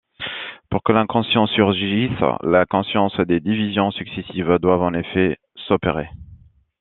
Pour que de l'inconscient surgisse la conscience, des divisions successives doivent en effet s'opérer.